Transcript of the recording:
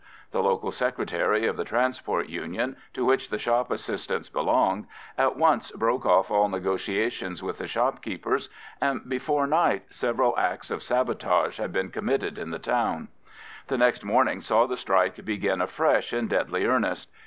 The local secretary of the Transport Union, to which the shop assistants belonged, at once broke off all negotiations with the shopkeepers, and before night several acts of sabotage had been committed in the town. The next morning saw the strike begin afresh in deadly earnest.